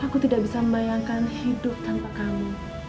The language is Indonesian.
aku tidak bisa membayangkan hidup tanpa kamu